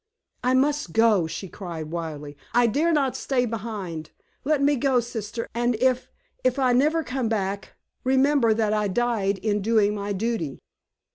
"I must go!" she cried, wildly; "I dare not stay behind. Let me go, sister, and if if I never come back, remember that I died in doing my duty!"